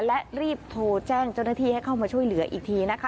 และรีบโทรแจ้งเจ้าหน้าที่ให้เข้ามาช่วยเหลืออีกทีนะคะ